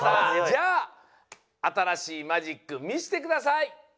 じゃああたらしいマジック見してください！